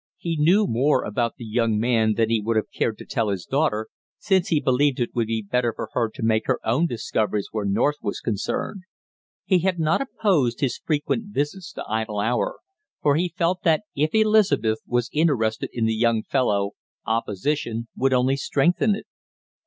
He knew more about the young man than he would have cared to tell his daughter, since he believed it would be better for her to make her own discoveries where North was concerned. He had not opposed his frequent visits to Idle Hour, for he felt that if Elizabeth was interested in the young fellow opposition would only strengthen it.